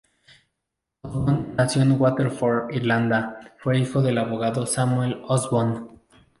Hobson nació en Waterford, Irlanda, fue hijo del abogado Samuel Hobson.